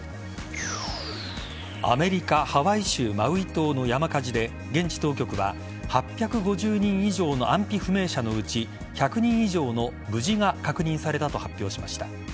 アメリカ・ハワイ州マウイ島の山火事で現地当局は８５０人以上の安否不明者のうち１００人以上の無事が確認されたと発表しました。